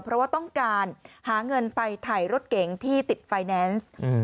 เพราะว่าต้องการหาเงินไปถ่ายรถเก๋งที่ติดไฟแนนซ์